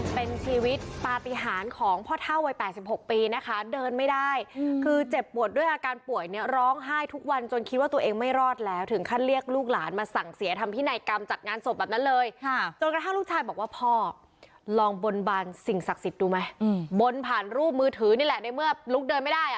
เป็นชีวิตปฏิหารของพ่อเท่าวัย๘๖ปีนะคะเดินไม่ได้คือเจ็บปวดด้วยอาการป่วยเนี่ยร้องไห้ทุกวันจนคิดว่าตัวเองไม่รอดแล้วถึงขั้นเรียกลูกหลานมาสั่งเสียทำพินัยกรรมจัดงานศพแบบนั้นเลยจนกระทั่งลูกชายบอกว่าพ่อลองบนบานสิ่งศักดิ์สิทธิ์ดูไหมบนผ่านรูปมือถือนี่แหละในเมื่อลุกเดินไม่ได้อ่ะ